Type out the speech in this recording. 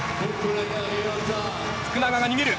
福永が逃げる。